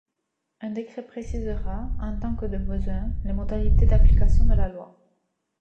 Un décret précisera, en tant que de besoin, les modalités d’application de la loi.